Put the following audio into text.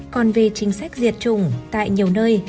còn về chính sách diệt chủng tại nhiều nơi